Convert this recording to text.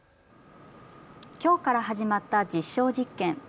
きょうから始まった実証実験。